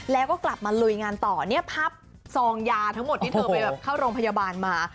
แล้วก็กลับมาลุยงานต่อเนี่ยภาพซองยาทั้งหมดที่เธอไปเข้าโรงพยาบาลมา